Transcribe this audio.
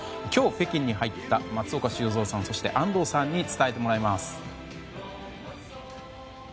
今日、北京に入った松岡修造さん、安藤さんに伝えてもらいます。